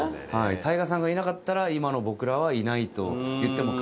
ＴＡＩＧＡさんがいなかったら今の僕らはいないと言っても過言ではない。